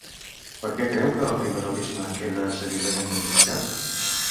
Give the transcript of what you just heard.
Per què creu que el liberalisme queda seriosament damnificat?